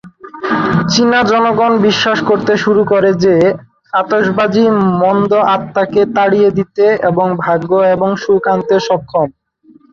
চীনা জনগণ বিশ্বাস করতে শুরু করে যে আতশবাজি মন্দ আত্মা কে তাড়িয়ে দিতে এবং ভাগ্য এবং সুখ আনতে সক্ষম।